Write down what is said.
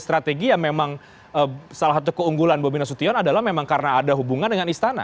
strategi yang memang salah satu keunggulan bobi nasution adalah memang karena ada hubungan dengan istana